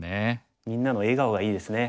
みんなの笑顔がいいですね。